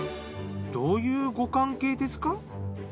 どういうご関係ですか？